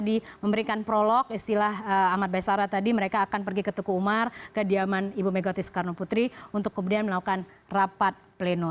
jadi memberikan prolog istilah ahmad baisara tadi mereka akan pergi ke tuku umar ke diaman ibu megawati soekarno putri untuk kemudian melakukan rapat pleno